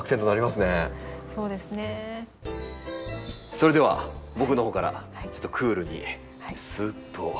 それでは僕の方からちょっとクールにスーッと。